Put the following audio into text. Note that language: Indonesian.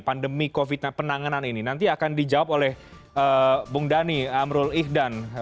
pandemi covid penanganan ini nanti akan dijawab oleh bung dhani amrul ihdan